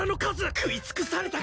食い尽くされたか！